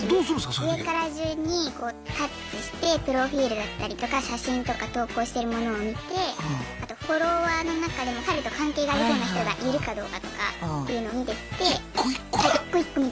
上から順にこうタッチしてプロフィールだったりとか写真とか投稿してるものを見てあとフォロワーの中でも彼と関係がありそうな人がいるかどうかとかっていうのを見てって。